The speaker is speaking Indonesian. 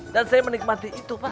dan saya menikmati itu pak